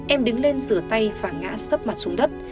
em đứng lên rửa tay và ngã sấp mặt xuống đất